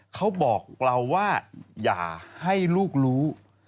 เขาบอกเราว่าอย่าให้ลูกรู้